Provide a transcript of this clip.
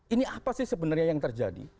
ini apa sih sebenarnya yang terjadi